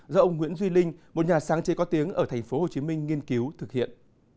do ông nguyễn duy linh một nhà sáng chế có tiếng ở tp hcm nghiên cứu thực hiện